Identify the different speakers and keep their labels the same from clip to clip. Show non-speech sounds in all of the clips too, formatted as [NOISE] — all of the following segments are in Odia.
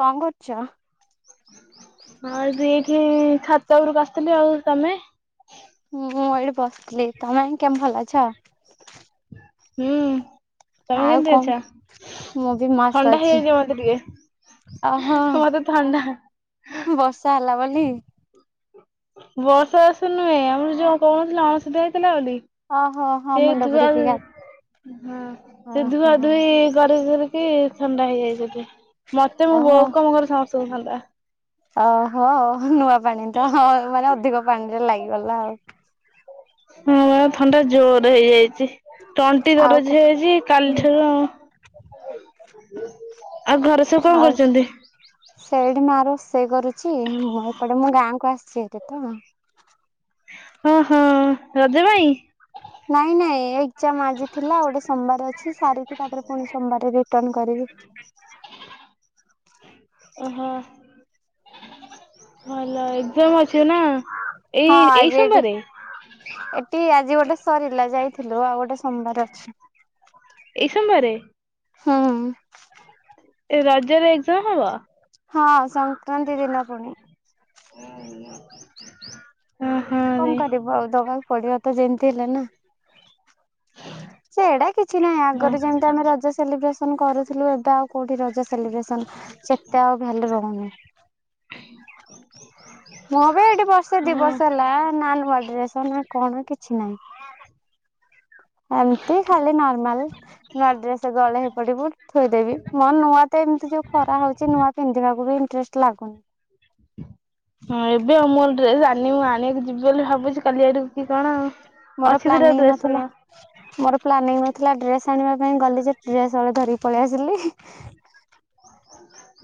Speaker 1: କଣ କରୁଚ?
Speaker 2: ହଁ ଦୁଇଠି ଛାତ ଉପରକୁ ଆସିଥିଲି ଆଉ ତମେ?
Speaker 1: ହୁଁ ମୁଁ ଏଇଠି ବସିଥିଲି ତମେ କେମି ଭଲ ଅଛ?
Speaker 2: ହୁଁ ତମେ
Speaker 1: ଆଉ
Speaker 2: କେମତି
Speaker 1: କଣ
Speaker 2: ଅଛ
Speaker 1: ମୁଁ ବି ମସ୍ତ
Speaker 2: ଥଣ୍ଡା
Speaker 1: ଅଛି।
Speaker 2: ହେଇଯାଇଛି ମତେ ଟିକେ।
Speaker 1: ଓହୋ
Speaker 2: ମତେ ଥଣ୍ଡା।
Speaker 1: ବର୍ଷା ହେଲା ବୋଲି
Speaker 2: ବର୍ଷା ଆସିଲା ନୁହେଁ ଆମର ଯୋଉ କଣଥିଲା ଅଣୁଦ୍ଧା ହେଇଥିଲା ବୋଲି।
Speaker 1: ଓହୋ ହଁ
Speaker 2: ସେ
Speaker 1: ମୁଣ୍ଡ
Speaker 2: ଧୁଆ
Speaker 1: ବୁଡେଇକି ଗା
Speaker 2: ହଁ ସେ ଧୁଆ
Speaker 1: ଓହୋ
Speaker 2: ଧୁଇ କରିକି କି ଥଣ୍ଡା ହେଇଯାଇଛନ୍ତିି ମତେ ମୋ
Speaker 1: ଓହୋ
Speaker 2: ବୋଉ କମୋ ଘରେ ସମସ୍ତଙ୍କୁ ଥଣ୍ଡା।
Speaker 1: ଓହୋ ନୂଆ ପାଣି ତ ମାନେ ଅଧିକ ପାଣିରେ ଲାଗିଗଲା ଆଉ।
Speaker 2: ହଁ ଥଣ୍ଡା ଜୋର ହେଇଯାଇଛି ତଣ୍ଟି
Speaker 1: ଆଉ
Speaker 2: ଦରଜ
Speaker 1: କଣ
Speaker 2: ହେଇଯାଇଛି କାଲିଠାରୁ ଆଉ। ଆଉ ଘରେ ସବୁ କଣ
Speaker 1: ହଉ
Speaker 2: କରୁଛନ୍ତି?
Speaker 1: ସେଇଠି ମା ରୋଷେଇ କରୁଛି ମୁଁ ଏପଟେ ମୁଁ ଗାଁକୁ ଆସିଛି ହେରି ତ।
Speaker 2: ହଁ ହଁ ରଜ ପାଇଁ।
Speaker 1: ନାଇଁ ନାଇଁ ଏକ୍ଜାମ ଆଜି ଥିଲା ଗୋଟେ ସୋମବାର ଅଛି ସାରିକି ତାପରେ ପୁଣି ସୋମବାର ରିଟର୍ଣ କରିବି।
Speaker 2: ଓହୋ ଭଲ ସେମ୍ ଅଛି ନା ଏଇ
Speaker 1: ହଁ ଆଜି
Speaker 2: ଏଇ
Speaker 1: ଏଠି
Speaker 2: ସୋମବାରେ?
Speaker 1: ଏଠି ଆଜି ଗୋଟେ ସରିଲା ଯାଇଥିଲୁ ଆଉ ଗୋଟେ ସୋମବାର ଅଛି।
Speaker 2: ଏଇ ସୋମ ବାରେ।
Speaker 1: ହୁଁ।
Speaker 2: ଏ ରଜରେ ଏକ୍ସାମ୍ ହବ?
Speaker 1: ହଁ ସଂକ୍ରାନ୍ତି ଦିନ ପୁଣି।
Speaker 2: [INAUDIBLE] ହଁ
Speaker 1: କଣ
Speaker 2: ରେ
Speaker 1: କରିବ ଆଉ ଦବାକୁ ପଡିବ ତ ଯେମିତି ହେଲେ ନା। ସେଇଟା କିଛି ନାହିଁ
Speaker 2: ହଁ
Speaker 1: ଆଗରୁ ଯେମିତି ଆମେ ରଜ ସେଲିବ୍ରେସନ କରୁଥିଲୁ ଏବେ ଆଉ କୋଉଠି ରଜ ସେଲିବ୍ରେସନ ସେତେ ଆଉ ଭେଲ୍ୟୁ ରହୁନି। ମୁଁ ବି ଏଠି ବର୍ଷେ ଦି
Speaker 2: ହଁ
Speaker 1: ବର୍ଷ ହେଲା ନା ନୂଆ ଡ୍ରେସ ନା କଣ କିଛି ନାହି। ଏମତି ଖାଲି ନର୍ମାଲ। ନୂଆ ଡ୍ରେସ ଗଳେଇ ହେଇପଡ଼ିବୁ ଥୋଇଦେବି ମୋ ନୂଆ ତ ଏମିତି ଯୋଉ ଖରା ହଉଛି ନୂଆ ପିନ୍ଧିବାକୁ ବି ଇନ୍ତ୍ରେଷ୍ଟ ଲାଗୁନି।
Speaker 2: [INAUDIBLE] ହଁ ଏବେ ଆଉ ମୋ ଡ୍ରେସ ଆଣିନି ଆଣିବାକୁ ଯିବି ବୋଲି ଭାବୁଛି କାଲି ଆଡକୁ କି କଣ।
Speaker 1: ମୋର
Speaker 2: ଅଛି ତାର
Speaker 1: ପ୍ଲାନିଂ
Speaker 2: ଡ୍ରେସ୍
Speaker 1: ନଥିଲା
Speaker 2: ଶୁଣ।
Speaker 1: ମୋର ପ୍ଲାନିଂ ନଥିଲା ଡ୍ରେସ ଆଣିବା ପାଇଁ ଗଲି ଯେ ଡ୍ରେସ ହଳେ ଧରିକି ପଳେଇ ଆସିଲି।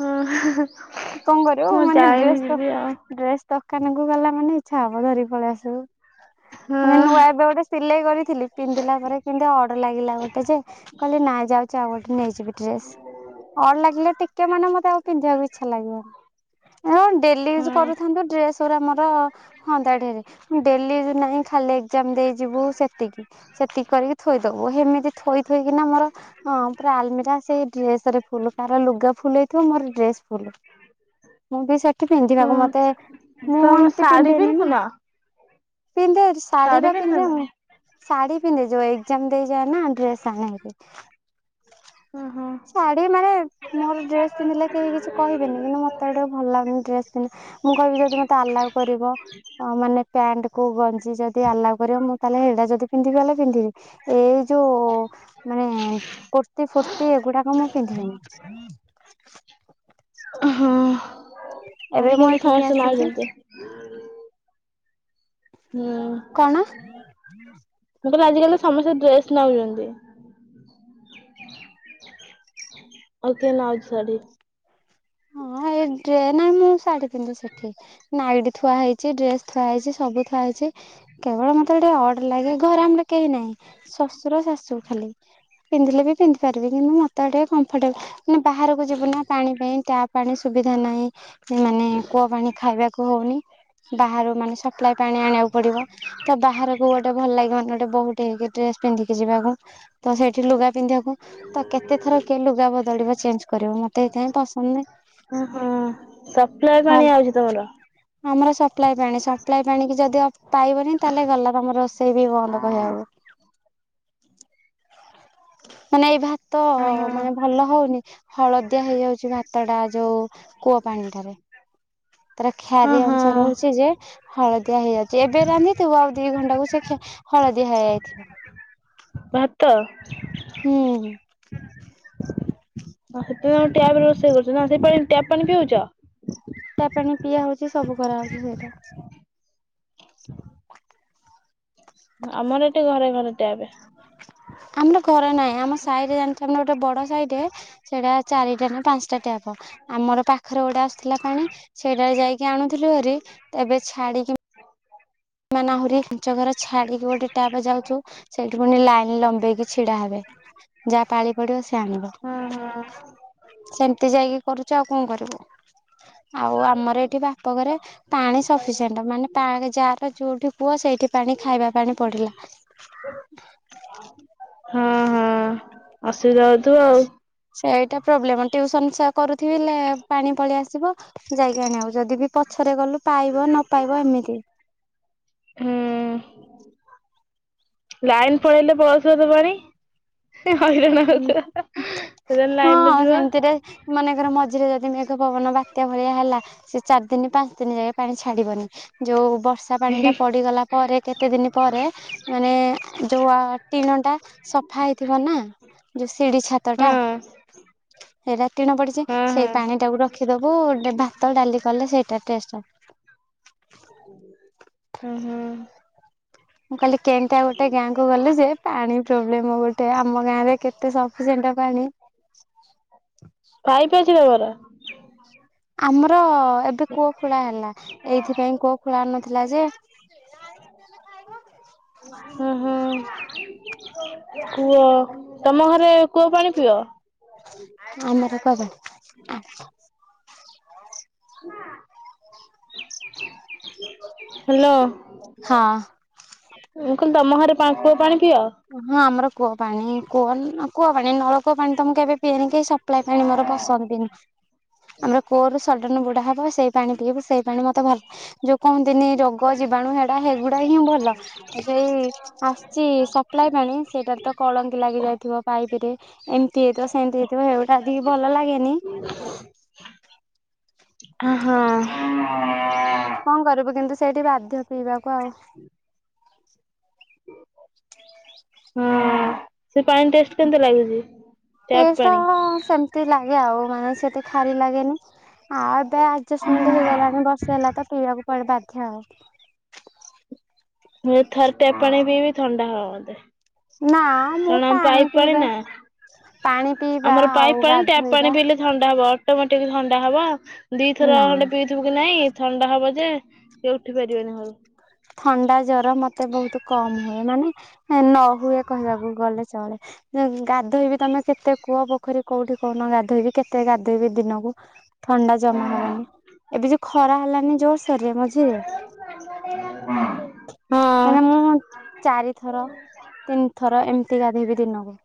Speaker 2: ହୁଁ!
Speaker 1: କଁ କରିବ ମାନେ ଡ୍ରେସ ତ
Speaker 2: ଆଉ
Speaker 1: ଡ୍ରେସ ଦୋକାନକୁ ଗଲା ମାନେ ଇଚ୍ଛା ହବ ଧରି ପଳେଇ ଆସିବୁ। ମାନେ
Speaker 2: ହଁ
Speaker 1: ନୂଆ ଏବେ ଗୋଟେ ସିଲେଇ କରିଥିଲି‌। ପିନ୍ଧିଲା ପରେ କିନ୍ତୁ ଅଡ୍ ଲାଗିଲା ଗୋଟେ ଯେ କହିଲି ନାଇଁ ଯାଉଚି ଆଉ ଗୋଟେ ନେଇଯିବି। ଡ୍ରେସ୍ ଅଡ୍ ଲାଗିଲେ ଟିକେ ମାନେ ମତେ ଆଉ ପିନ୍ଧିବାକୁ ଇଚ୍ଛା ଲାଗିବନି। ଅ ଡେଲି ୟୁଜ୍
Speaker 2: ହଁ
Speaker 1: କରୁଥାନ୍ତୁ ଡ୍ରେସ ଗୁରା ମୋର ହୁଅନ୍ତା ଡେଲି ୟୁଜ୍ ନାହିଁ। ଖାଲି ଏକ୍ଜାମ ଦେଇଯିବୁ ସେତିକି ସେତିକି କରିକି ଥୋଇଦବୁ ସେମିତି ଥୋଇ ଥୋଇକିନା ମୋର ହଁ ପୁରା ଆଲମିରା ସେଇ ଡ୍ରେସରେ ଫୁଲ୍ କାହାର ଲୁଗା ଫୁଲ୍ ହେଇଥିବ ମୋର ଡ୍ରେସ ଫୁଲ୍।
Speaker 2: [INAUDIBLE]
Speaker 1: ମୁଁ ବି ସେଠି ପିନ୍ଧିବାକୁ
Speaker 2: ହଁ
Speaker 1: ମତେ ମୁଁ
Speaker 2: ତମ
Speaker 1: ଏମ୍ତି
Speaker 2: ଶାଢୀ
Speaker 1: ପିନ୍ଧେନି ନା
Speaker 2: ପିନ୍ଧୁନ
Speaker 1: ପିନ୍ଧେ ଶାଢୀ ବା ପିନ୍ଧେ ମୁଁ ଶାଢୀ ପିନ୍ଧେ ଯୋଉ ଏକ୍ଜାମ୍ ଦେଇଯାଏ ନା ଡ୍ରେସ ଆଣିଚି।
Speaker 2: ଓ ହଁ।
Speaker 1: ଶାଢୀ ମାନେ ମୋର ଡ୍ରେସ୍ ପିନ୍ଧିଲେ କେହି କିଛି କହିବେନି କିନ୍ତୁ ମତେ ଟିକେ ଭଲ ଲାଗୁନି ଡ୍ରେସ୍ ପିନ୍ଧି ମୁଁ କହିବି ଯଦି ମତେ ଆଲାଉ କରିବ ଅ ମାନେ ପ୍ୟାଣ୍ଟକୁ ଗ ଯି ଯଦି ଆଲାଉ କରିବ ମୁଁ ତାହେଲେ ହେଡ଼ା ଯଦି ପିନ୍ଧିବି ହେଲେ ପିନ୍ଧିବି। ଏଇ ଯୋଉ ମାନେ କୁର୍ତ୍ତି ଫୁର୍ ମୁଁ ପିନ୍ଧିବିନି।
Speaker 2: ହଁ
Speaker 1: ଏବେ ମୁଁ ଏଠିକି
Speaker 2: ଆଜିିକାଲି
Speaker 1: ଆସିକି
Speaker 2: ସମସ୍ତେ [UNINTELLIGIBLE] ହୁଁ!
Speaker 1: କଣ? [INAUDIBLE]
Speaker 2: ମୁଁ କହିଲି ଆଜିକାଲି ସମସ୍ତେ ଡ୍ରେସ୍ ନଉଚନ୍ତି। ଆଉ କିଏ ନଉଚି ଶାଢ଼ୀ।
Speaker 1: ହଁ ଏ ଡ୍ରେ ନାହିଁ ମୁଁ ଶାଢୀ ପିନ୍ଧେ ସେଠି। ନାଇଟି ଥୁଆ ହେଇଚି ଡ୍ରେସ୍ ଥୁଆ ହେଇଚି ସବୁ ଥୁଆ ହେଇଚି। କେବଳ ମତେ ଗୋଟେ ଅଡ ଲାଗେ ଘରେ ଆମର କେହି ନାହିଁ ଶଶୁର ଶାଶୁ ଖାଲି। ପିନ୍ଧିଲେ ବି ପିନ୍ଧି ପାରିବି କିନ୍ତୁ ମ ତ ଟେ କମ୍ଫର୍ଟେବଲ ମାନେ ବାହାରକୁ ଯିବୁ ନା ପାଣି ପାଇଁ ଟ୍ୟାପ୍ ଆଣି ସୁବିଧା ନାହିଁ। ମାନେ କୂଅ ପାଣି ଖାଇବାକୁ ହଉନି ବାହାରୁ ମାନେ ସପ୍ଲାଇ ପାଣି ଆଣିବାକୁ ପଡିବ। ତ ବାହାରକୁ ଗୋଟେ ଭଲ ଲାଗେ ମାନେ ଗୋଟେ ବୋହୂଟେ ହେଇକି ଡ୍ରେସ୍ ପିନ୍ଧିକି ଯିବାକୁ। ତ ସେଇଠି ଲୁଗା ପିନ୍ଧିବାକୁ ତ କେତେଥର କିଏ ଲୁଗା ବଦଳିବ ଚେଞ୍ଜ କରିବ ମତେ ଏଇଥିପାଇଁ ପସନ୍ଦ ନାଇଁ।
Speaker 2: ଓହୋ ସପ୍ଲାଏ ପାଣି ଆଉଚି ତମର?
Speaker 1: ହଁ ଆମର ସପ୍ଲାଏ ପାଣି ସପ୍ଲାଏ ପାଣି କି ଯଦି ପାଇବନି ତାହେଲେ ଗଲା ତମର। ସେଇ ବି ବନ୍ଦ କହେ ଆଉ। ମାନେ ଏଇ ଭାତ
Speaker 2: ଓହୋ
Speaker 1: ମାନେ ଭଲ ହଉନି। ହଳଦିଆ ହେଇଯାଉଛି ଭାତଟା ଯୋଉ କୂଅ ପାଣିଟାରେ। ତାର
Speaker 2: ହଁ
Speaker 1: ଖାରି ଅଂଶ
Speaker 2: ହଁ
Speaker 1: ରହୁଚି ଯେ ହଳଦିଆ ହେଇଯାଉଚି ଏବେ ରାନ୍ଧିଥିବୁ ଆଉ ଦି ଘଣ୍ଟା କ ସେ ଖି ହଳଦିଆ ହେଇଥିବ।
Speaker 2: ଭାତ।
Speaker 1: ହୁଁ!
Speaker 2: ଆ [UNINTELLIGIBLE] ଟ୍ୟାପରେ ରୋଷେଇ କରୁ ନା ସେ ଟ୍ୟାପ୍ ପାଣି ପିଉଚ।
Speaker 1: ଟ୍ୟାପ୍ ପାଣି ପିଆ ହଉଚି ସବୁ କରାହେଉଚି [UNINTELLIGIBLE]
Speaker 2: ଆମର ଏଠି ଘରେ ଘରେ ଟ୍ଯାପେ।
Speaker 1: ଆମର ଘର ନାଇଁ ଆମ ସାଇରେ ଜାଣିଚନା ଗୋଟେ ବଡ ସାାଇଟେ ସେଟା ଚାରିଟା ନା ପାଞ୍ଚଟା ଟ୍ଯାପ। ଆମର ପାଖରେ ଗୋଟେ ଆସୁଥିଲା ପାଣି ସେଇଟାରେ ଯାଇକି ଆଣୁଥିଲୁ ଭାରି ଏବେ ଛାଡିକି ମାନେ ଆହୁରି ପାଞ୍ଚ ଘର ଛାଡିକି ଗୋଟେ ଟ୍ଯାପେ ଯାଉଚୁ। ସେଇଠି ପୁଣି ଲାଇନ ଲମ୍ବେଇକି ଛିଡା ହେବେ। ଯାହା ପାଳି ପଡିବ ସିଏ ଆଣିବ।
Speaker 2: ହଁ
Speaker 1: ସେମିତି ଯାଇକି କରୁଚୁ ଆଉ କଣ କରିବୁ। ଆଉ ଆମର ଏଠି ବାପଘରେ ପାଣି ସଫିସିଏଣ୍ଟ ମାନେ ପାଣି ଯାର ଯୋଉଠି ପୁଅ ସେଇଠି ପାଣି ଖାଇବା ପାଣି ପଡିଲା।
Speaker 2: ହଁ ହଁ ଅସୁବିଧା ହୋଉଥୁବ ଆଉ।
Speaker 1: ସେଇଟା ପ୍ରୋବ୍ଲେମ। ଟ୍ଯୁସନସା କରୁଥିଲେ ପାଣି ପଳେଇ ଆସିବ। ଯାଇକି ଆଣିବାକୁ। ଯଦି ବି ପଛରେ ଗଲୁ ପାଇବ ନ ପାଇବ ଏମିତି।
Speaker 2: ହୁଁ ଲାଇନ୍ ପଳେଇଲେ ବସତ ପାଣି। ହଇରାଣ ହୋଉଚୁନା ଯେତେବେଳେ ଲାଇନ୍ ନ ଥିବ।
Speaker 1: ମନେଙ୍କର ମଝିରେ ଯଦି ମେଘ ପବନ ବାତ୍ୟା ଭଳିଆ ହେଲା ସେ ଚାରି ଦିନି ପାଞ୍ଚ ଦିନି ଯାଏ ପାଣି ଛାଡିବନି। ଯୋଉ ବର୍ଷା ପାଣି ଟା
Speaker 2: ହଁ
Speaker 1: ପଡିଗଲା। ପରେ କେତେ ଦିନି ପରେ ମାନେ ଯୋଉ ଟିଣ ଟା ସଫା ହେଇ ଥିବ ନା ଯୋଉ ସିଡି ଛାତ ଟା। ସେଇଟା ଟିଣ ପଡିଚି
Speaker 2: ହଁ
Speaker 1: ସେଇ ପାଣି
Speaker 2: ହଁ
Speaker 1: ଟାକୁ ରଖିଦବୁ ଭାତ ଡାଲି କଲେ ସେଇଟା ଟେଷ୍ଟେହେବ।
Speaker 2: ଉଁ ହୁଁ।
Speaker 1: ମୁଁ କହିଲି କେମିତିଆ ଗୋଟେ ଗାଁ କୁ ଗଲି ଯେ ପାଣି ପ୍ରୋବ୍ଲେମ ଗୋଟେ ଆ ଆମ ଗାଁରେ କେତେ ସଫିସେଣ୍ଟେ ପାଣି।
Speaker 2: ପାଇପି ଅଛିି ତମର?
Speaker 1: ଆମର ଏଠି କୁଅ ଖୋଳା ହେଲା। ଏଇଥିପାଇଁ କୂଅ ଖୋଳା ନଥିଲା ଯେ
Speaker 2: ଉଁ ହୁଁ କୂଅ? ତମ ଘରେ କୂଅ ପାଣି ପିଅ?
Speaker 1: ଆମର ପାଗ।
Speaker 2: ହାଲୋ।
Speaker 1: ହଁ।
Speaker 2: ମୁଁ କହିଲି ତମ ଘରେ ପା କୋଉ ପାଣି ପିଅ?
Speaker 1: ହଁ ଆମର କୂଅ ପାଣି କୂଅନ କୂଅ ପାଣି ନଳକୂଅ ପାଣି ମୁଁ ତ କେବେ ପିଏନି କି ସପ୍ଲାଏ ପାଣି ମୋର ପସନ୍ଦ ବି ନୁହେଁ। ଆମର କୂଅରୁ ସଡନ୍ ବୁଡା ହବ ସେଇ ପାଣି ପିଇବୁ ସେଇ ପାଣି ମତେ ଭଲ। ଯୋଉ କହନ୍ତିନି ରଖେ ପୋଗ ଜୀବାଣୁ ହେଡା ହେଗୁଡା ହିଁ ଭଲ। ତା ସେଇ ଆସିଚି ସା ସପ୍ଲାଇ ପାଣି ସେଇଟା ତ କଳଙ୍କି ଲାଗି ଯାଇଥିବ ପାଇପ୍ ରେ? ଏମିତି ହେଇଥିବ ସେମିତି ହେଇଥିବ ହେଇଗୁଡା ବି ଭଲ ଲାଗେନି।
Speaker 2: ଅ ହଁ।
Speaker 1: କଣ କରିବୁ କିନ୍ତୁ ସେଇଠି ବାଧ୍ୟ ପିଇବାକୁ ଆଉ ଠ [INAUDIBLE]
Speaker 2: ହୁଁ ସେ ପାଣି ଟେଷ୍ଟେ କେମତି ଲାଗୁଚି? ଟ୍ୟାପ୍ ପାଣି?
Speaker 1: ସେତି ଲାଗେ ଆଉ। ମାନେ ସେତେ ଖାରି ଲାଗେନି। ଆଉ ତ ଆଡ୍ଜଷ୍ଟମେଣ୍ଟ ହେଇଗଲାଣି ବର୍ଷେ ହେଲା ତ ପିଇବାକୁ ପଡେ ବାଧ୍ୟ ଆଉ
Speaker 2: ମୁଁ ଏଥରଟେ ପାଣି ପିଇବି ଥଣ୍ଡା ହବ ମତେ।
Speaker 1: ନା ମୁଁ
Speaker 2: କାରଣ ଆମ
Speaker 1: ପାଣି
Speaker 2: ପାଇପ୍
Speaker 1: ପିଇବା।
Speaker 2: ନା
Speaker 1: ପାଣି ପିଇବା
Speaker 2: ଆମର ପାଇପ୍
Speaker 1: ଆଉ
Speaker 2: ପାଣି ଟ୍ୟାପ୍ ପାଣି
Speaker 1: ଗାଧୋଇବା।
Speaker 2: ପିଇଲେ ଥଣ୍ଡା ହବ ଅଟୋମେଟିକ୍ ଥଣ୍ଡା ହବ। ଦିଥର
Speaker 1: ନା
Speaker 2: ଖଣ୍ଡେ ପି ଥିବୁ କି ନାଇଁ ଥଣ୍ଡା ହବ ଯେ ସେ ଉଠି ପାରିବେନି ଘରୁ।
Speaker 1: ଥଣ୍ଡା ଜର ମତେ ବହୁତ୍ କମ ହୁଏ ମାନେ ନ ହୁଏ କହିବାକୁ ଗଲେ ଚଳେ ଗାଧୋଇବି ତମେ କେତେ କୂଅ ପୋଖରୀ କୋଉଠି କହୁନ ଗାଧୋଇବି କେତେ ଗାଧୋଇବି ଦିନକୁ ଥଣ୍ଡା ଜମା ହବନି ଏବେ ଯୋଉ ଖରା ହେଲାନି ଜୋରସୋରେ ମଝିରେ
Speaker 2: [INAUDIBLE] ହଁ।
Speaker 1: ମାନେ ମୁଁ ଚାରିଥର ତିନି ଥର ଏମିତି ଗାଧୋଇବି ଦିନକୁ।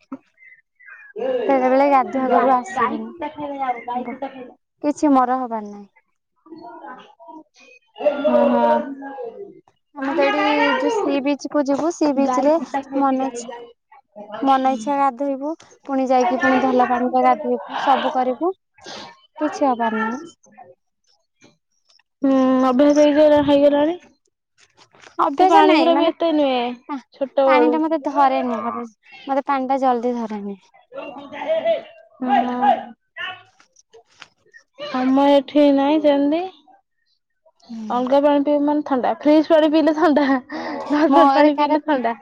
Speaker 1: ବେଳେ ବେଳେ ଗାଧୁଆ ଘରୁ
Speaker 2: ଗାଈ
Speaker 1: ଆସିବିନି
Speaker 2: କୁତା ଖାଇଲା ଯାଉ ଗାଈ
Speaker 1: ବ
Speaker 2: କୁତା ଖାଇଲା।
Speaker 1: କିଛି ମରା ହବାର ନାହିଁ।
Speaker 2: ହଁ ହଁ।
Speaker 1: ଆମେ ତ ଏଠି ଯୋଉ ସି ବିଚ କୁ ଯିବୁ ସି ବିଚ
Speaker 2: ଗାଈ
Speaker 1: ରେ
Speaker 2: କୁଟା ଖାଉଛି
Speaker 1: ମନ
Speaker 2: ଗାଈ
Speaker 1: ଇଚ୍ଛା
Speaker 2: ଗାଈ।
Speaker 1: ମନ ଇଚ୍ଛା ଗାଧୋଇବୁ ପୁଣି ଯାଇକି ପୁଣି ଭଲ ପାଣିରେ ଗାଧୋଇବୁ ସବୁ କରିବୁ। କିଛି ହବାର ନାହିଁ।
Speaker 2: ହୁଁ ଅଭ୍ୟାସ ହେଇ ହେଇଗଲାଣି। ସେ
Speaker 1: ଅଭ୍ୟାସ
Speaker 2: ପାଣି ଗୁରା
Speaker 1: ନାଇଁ
Speaker 2: ବି
Speaker 1: ମାନେ
Speaker 2: ଏତେ ନୁହେଁ ଛୋଟ
Speaker 1: ପାଣି
Speaker 2: ବେଳୁ।
Speaker 1: ଟା ମତେ ଧରେନି ବୋଧେ ମତେ ପାଣି ଟା ଜଲଦି ଧରେନି।
Speaker 2: [INAUDIBLE] ଆମ ଏଠି ନାହିଁ ଯେମତି ଅଲଗା ପାଣି ପିଇବି ମାନେ ଥଣ୍ଡା ଫ୍ରିଜ ପାଣି ପିଇଲେ ଥଣ୍ଡା ନର୍ମାଲ ପାଣି ପିଇଲେ ଥଣ୍ଡା।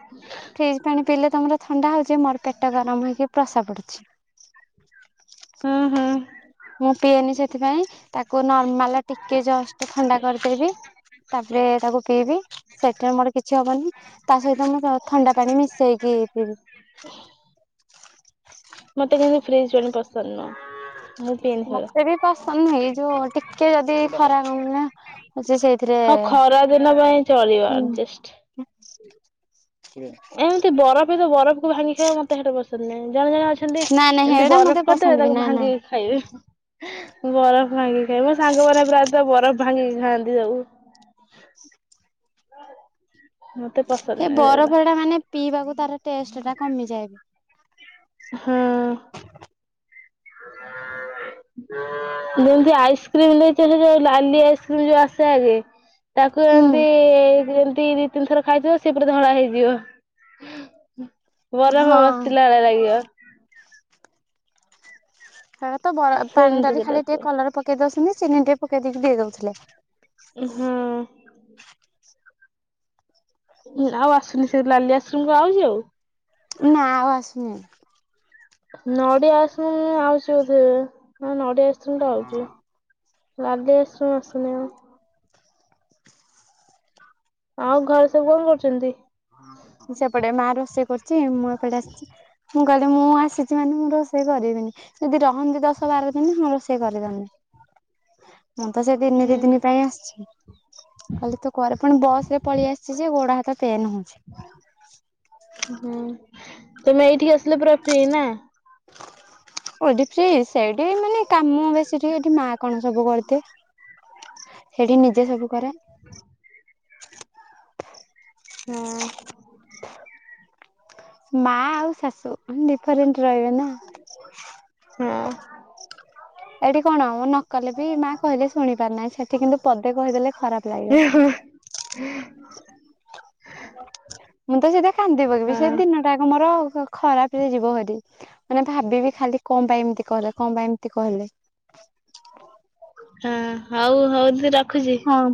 Speaker 1: ଫ୍ରିଜ୍ ପାଣି ପିଇଲେ ତମର ଥଣ୍ଡା ହଉଛି ମୋର ପେଟ ଗରମ ହେଇକି ପ୍ରସା ପଡୁଛି।
Speaker 2: ହୁଁ ହୁଁ।
Speaker 1: ମୁଁ ପିଏନି ସେଥିପାଇଁ ତାକୁ ନର୍ମାଲ ଟିକେ ଜଷ୍ଟ ଥଣ୍ଡା କରିଦେବି ତାପରେ ତାକୁ ପିଇବି। ସେଥିରେ ମୋର କିଛି ହବନି ତା ସହିତ ମୁଁ ଥଣ୍ଡା ପାଣି ମିଶେଇକି ପିଇବି।
Speaker 2: ମତେ କିନ୍ତୁ ଫ୍ରିଜ ପାଣି ପସନ୍ଦ ନୁହଁ। ମୁଁ ପିଏନି ସେଗୁରା।
Speaker 1: ମତେ ବି ପସନ୍ଦ ନୁହେଁ ଏଇ ଯୋଉ ଟିକେ ଯଦି ଖରା କମିଲା ଅଛି ସେଇଥିରେ
Speaker 2: ସେଥିପାଇଁ ଚଳିବ ଆଡଜେଷ୍ଟ।
Speaker 1: ହଁ।
Speaker 2: ଏମିତି ବରଫ ରୁ ବରଫକୁ ଭାଙ୍ଗି ଖାଇବା ମତେ ସେଇଟ ପସନ୍ଦ ନାହିଁ ଜଣେ ଜଣେ ଅଛ ଛନ୍ତିି
Speaker 1: ନା ନା
Speaker 2: ଏମିତି
Speaker 1: ହେଡା ମତେ
Speaker 2: ବରଫ କରିଦେବେ
Speaker 1: ପସନ୍ଦ ବି
Speaker 2: ତାକୁ
Speaker 1: ନା ନା
Speaker 2: ଭାଙ୍ଗିକି ଖାଇବେ ବରଫ ଭାଙ୍ଗିକି ଖାଇବେ ମୋ ସାଙ୍ଗ ମାନେ ପ୍ରାୟତଃ ବରଫ ଭାଙ୍ଗିକି ଖାଆନ୍ତି ସବୁ। ହୁଁ।
Speaker 1: ସେ ବରଫ ଟା ମାନେ ପିଇବାକୁ ତାର ଟେଷ୍ଟ ଟା କମିଯାଏ।
Speaker 2: ହଁ। ଯେମତି ଆଇସ୍କ୍ରିମ ଭିତରେ ଯୋଉ ଲାଲି ଆଇସ୍କ୍ରିମ ଯୋଉ ଆସେ ଆଗେ ତାକୁ
Speaker 1: ହୁଁ
Speaker 2: ଏମତି ଯେମିତି ଦି ତିନି ଥର ଖାଇଥିବ ସେ ପୁରା ଧଳା ହେଇଯିବ। ବରଫ
Speaker 1: ହଁ
Speaker 2: ଘସିଲା ଭଳିଆ ଲାଗିବ।
Speaker 1: ତା ତ ବର ପାଣି ଟାରେ
Speaker 2: ସେମିତିକା
Speaker 1: ଖାଲି ଟିକେ
Speaker 2: ଟାଇପର
Speaker 1: କଲର ପକେଇ ଦଉଛନ୍ତି ଚିନି ଟିକେ ପକେଇ ଦେଇକି ଦେଇ ଦଉଥିଲେ।
Speaker 2: ହଁ। ଉଁ ଆଉ ଆସୁନି ସେ ଲାଲି ଆଇସକ୍ରିମ ଆଉଛି ଆଉ?
Speaker 1: ନା ଆଉ ଆସୁନି।
Speaker 2: ନଡିଆ ଆଇସ୍‌କ୍ରିମ୍ ଆଉଛି ବୋଧ ହଁ ନଡିଆ ଆଇସ୍‌କ୍ରିମ୍ ତ ଆଉଛି। ଲଧି ଆସୁ ଆସୁନି ଆଉ। ଆଉ ଘରେ ସବୁ କଣ କରୁଛନ୍ତି?
Speaker 1: ସେପଟେ ମା ରୋଷେଇ କରୁଛି ମୁଁ ଏପଟେ ଆସିଛି ମୁଁ କହିଲି ମୁଁ ଆସିଛି ମାନେ ମୁଁ ରୋଷେଇ କରିବିନି। ଯଦି ରହନ୍ତି ଦଶ ବାର ଦିନ ହଁ ରୋଷେଇ କରିଦଅନ୍ତିି।
Speaker 2: [INAUDIBLE]
Speaker 1: ମୁଁ ତ ସେ ଦିନେ ଦି
Speaker 2: ହୁଁ
Speaker 1: ଦିନି ପାଇଁ ଆସିଛି କହଲି ତୁ କରେ ପୁଣି ବସରେ ପଳେଇ ଆସିଛି ଯେ ଗୋଡ ହା
Speaker 2: ହୁଁ। ତମ ଏଇଠିକି ଆସିଲ ପୁରା ଫ୍ରି ନା।
Speaker 1: ଏଇଠିି ଫ୍ରି ସେଇଠି ମାନେ କାମ ବେସି ଟିକେ ଏଠି ମା କଣ ସବୁ କରିଦିଏ। ସେଠି ନିଜେ ସବୁ କରେ।
Speaker 2: [UNINTELLIGIBLE] ହଁ।
Speaker 1: ମା ଆଉ ଶାଶୁ ଡିଫରେଣ୍ଟ ରହିବେ ନା।
Speaker 2: ହଁ।
Speaker 1: ଏଠି କଣ ମୁଁ ନ କଲେ ବି ମା କହିଲେ ଶୁଣି ପାର ନାହିଁ ସେଠି କିନ୍ତୁ ପଦେ କହିଦେଲେ ଖରାପ। ଲାଗିବ।
Speaker 2: ହୁଁ ହୁଁ।
Speaker 1: ମୁଁ ତ ସେଇଥିପାଇ କାନ୍ଦିି ପଳେଇବି ସେ ଦିନଟା ଆଗ ମୋର ଖରାପ ରେ ଯିବ ହରି। ମାନେ ଭାବିବି ଖାଲି କଣ ପାଇଁ ଏମିତି କହିଲେ କଣ ପାଇଁ ଏମିତି କହିଲେ।
Speaker 2: ହଁ ହଉ ହଉ ଦିଦି ରଖୁଛି।
Speaker 1: ହଁ।